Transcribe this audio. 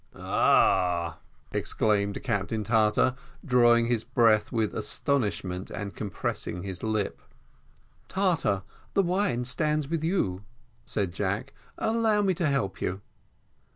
"Ah!" exclaimed Captain Tartar, drawing his breath with astonishment and compressing his lips. "Tartar, the wine stands with you," said Jack, "allow me to help you."